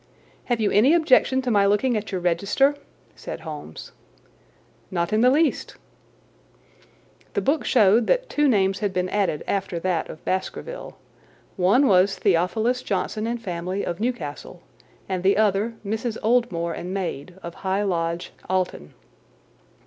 "Have you any objection to my looking at your register?" said Holmes. "Not in the least." The book showed that two names had been added after that of Baskerville. One was Theophilus Johnson and family, of Newcastle; the other Mrs. Oldmore and maid, of High Lodge, Alton.